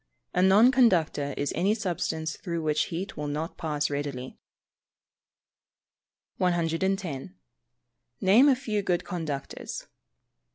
_ A non conductor is any substance through which heat will not pass readily. 110. _Name a few good conductors.